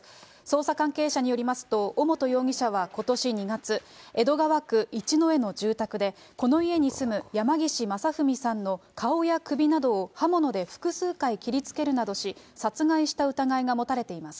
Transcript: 捜査関係者によりますと、尾本容疑者はことし２月、江戸川区いちのえの住宅で、この家に住む山岸正文さんの顔や首などを刃物で複数回切りつけるなどし、殺害した疑いが持たれています。